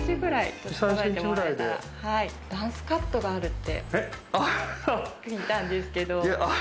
ダンスカットがあるって聞いたんですけど。